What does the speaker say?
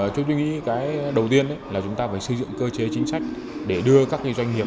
chúng tôi nghĩ cái đầu tiên là chúng ta phải xây dựng cơ chế chính sách để đưa các doanh nghiệp